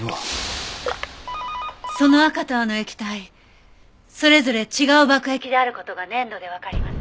その赤と青の液体それぞれ違う爆液である事が粘度でわかります。